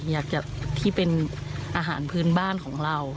อยากจะที่เป็นอาหารพื้นบ้านของเรา